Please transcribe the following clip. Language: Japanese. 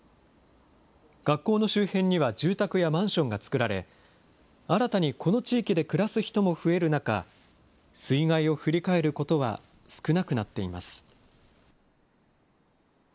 学校の周辺には住宅やマンションが作られ、新たにこの地域で暮らす人も増える中、水害を振り返ることは少なくなっています。